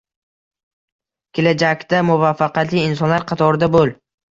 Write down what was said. Kelajakda muvaffaqiyatli insonlar qatorida bo'l